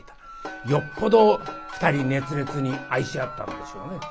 よっぽど２人熱烈に愛し合ったんでしょうね。